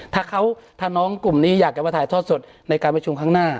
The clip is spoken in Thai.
ถ้าเขาถ้าน้องกลุ่มนี้อยากจะมาถ่ายทอดสดในการประชุมข้างหน้า